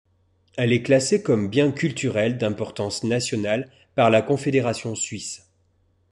Elle est classée comme bien culturel d'importance nationale par la Confédération suisse.